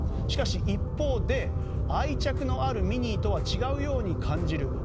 しかし一方で愛着のあるミニーとは違うように感じる。